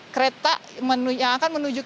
kereta yang akan menuju ke jepang